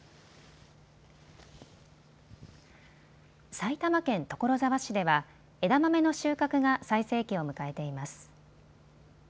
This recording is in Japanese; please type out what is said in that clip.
埼玉県所沢市では枝豆の収穫が最盛期を迎えています。